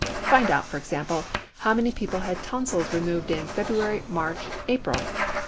Find out, for example, how many people had tonsils removed in February, March, April.